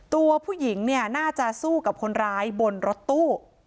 ตัวผู้หญิงเนี่ยน่าจะสู้กับคนร้ายบนรถตู้